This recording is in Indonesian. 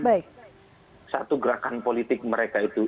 ini penting sebenarnya bagaimana portfolio profiling